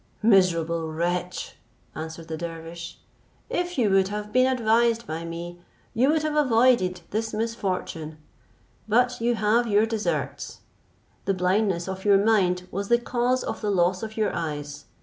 "Miserable wretch!" answered the dervish, "if you would have been advised by me, you would have avoided this misfortune, but you have your deserts; the blindness of your mind was the cause of the loss of your eyes.